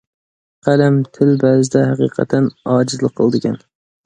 قەلەم، تىل بەزىدە ھەقىقەتەن ئاجىزلىق قىلىدىكەن.